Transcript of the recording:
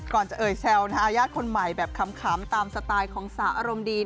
ก่อนจะเอ่ยแซวทายาทคนใหม่แบบขำตามสไตล์ของสาวอารมณ์ดี